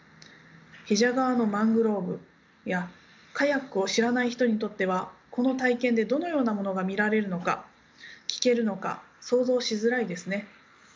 比謝川のマングローブやカヤックを知らない人にとってはこの体験でどのようなものが見られるのか聞けるのか想像しづらいですね。